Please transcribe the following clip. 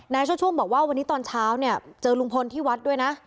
ช่วงบอกว่าวันนี้ตอนเช้าเนี่ยเจอลุงพลที่วัดด้วยนะ